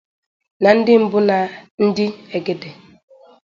na ndị mbụ na ndị ègèdè